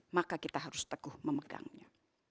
maka kita harus teguh memegangnya